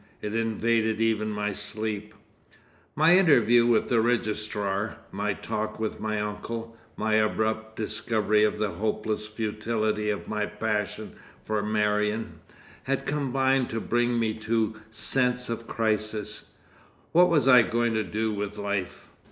It invaded even my sleep. My interview with the Registrar, my talk with my uncle, my abrupt discovery of the hopeless futility of my passion for Marion, had combined to bring me to sense of crisis. What was I going to do with life?